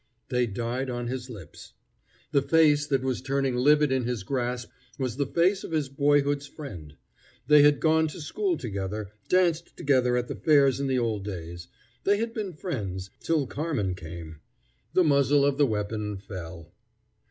They died on his lips. The face that was turning livid in his grasp was the face of his boyhood's friend. They had gone to school together, danced together at the fairs in the old days. They had been friends till Carmen came. The muzzle of the weapon fell.